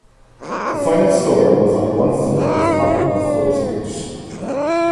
The final store was on one floor, with comparable floor space.